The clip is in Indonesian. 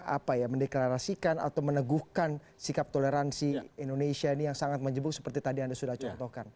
apa ya mendeklarasikan atau meneguhkan sikap toleransi indonesia ini yang sangat menjebuk seperti tadi anda sudah contohkan